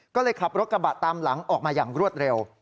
ก็เลยขับรถกระบะตามหลังออกมาอย่างรวดเร็ว